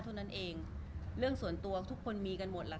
รูปนั้นผมก็เป็นคนถ่ายเองเคลียร์กับเรา